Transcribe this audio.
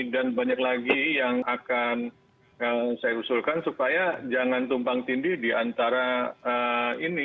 dan banyak lagi yang akan saya usulkan supaya jangan tumpang tindih di antara ini